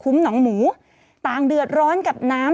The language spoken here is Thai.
ศูนย์อุตุนิยมวิทยาภาคใต้ฝั่งตะวันอ่อค่ะ